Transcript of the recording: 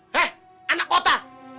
hah anak kota